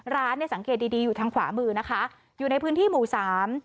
ร้านเนี่ยสังเกตดีดีอยู่ทางขวามือนะคะอยู่ในพื้นที่หมู่สาม